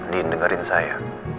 din dengerin saya